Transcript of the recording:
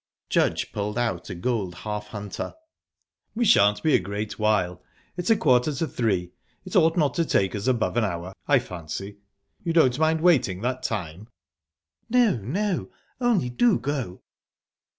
Judge pulled out a gold half hunter. "What shan't be a great while. It's a quarter to three. It ought not to take us above an hour, I fancy. You don't mind waiting that time?" "No, no only do go!"